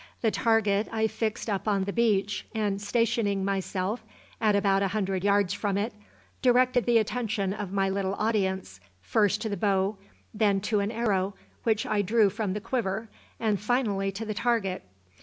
The target I fixed up on the beach and, stationing myself at about a hundred yards from it, directed the attention of my little audience, first to the bow, then to an arrow which I drew from the quiver, and finally to the target.